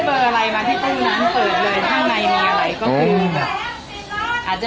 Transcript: เบอร์อะไรมาที่ห้องน้ำเปิดเลยข้างในมีอะไรก็คือแบบอาจจะ